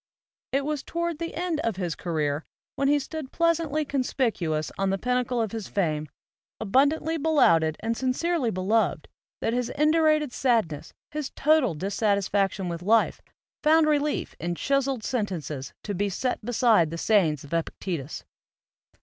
It was toward the end of his career, when he stood pleasantly conspicuous on the pinnacle of his fame, abundantly belauded and sincerely be loved, that his indurated sadness, his total dis satisfaction with life, found relief in chiseled sentences to be set beside the sayings of Epic tetus.